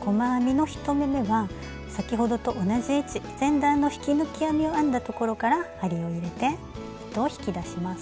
細編みの１目めは先ほどと同じ位置前段の引き抜き編みを編んだところから針を入れて糸を引き出します。